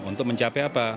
untuk mencapai apa